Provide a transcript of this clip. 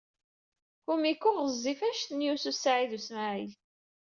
Kumiko ɣezzifet anect n Yunes u Saɛid u Smaɛil.